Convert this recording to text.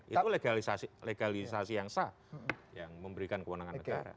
itu legalisasi yang sah yang memberikan kewenangan negara